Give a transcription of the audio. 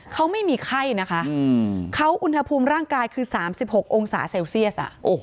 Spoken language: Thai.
เขาไม่มีไข้นะคะเขาอุณหภูมิร่างกายคือ๓๖องศาเซลเซียส